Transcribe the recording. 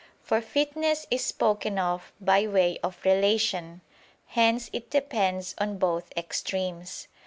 For fitness is spoken of by way of relation; hence it depends on both extremes.